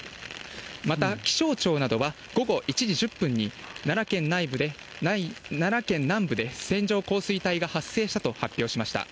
また、気象庁などは午後１時１０分に奈良県南部で線状降水帯が発生したと発表しました。